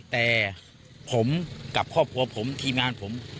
แต่ผมกับครอบครัวผมทีมงานผม